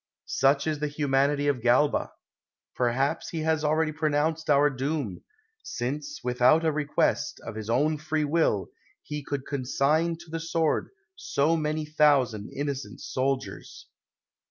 Such is the humanity of Galba, perhaps he has already pronounced our doom; since, without a request, of his own free will, he could consign to the sword so many thousand innocent soldiers.